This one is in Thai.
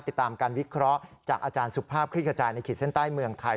ติดตามการวิเคราะห์จากอาจารย์สุภาพคลิกกระจายในขีดเส้นใต้เมืองไทย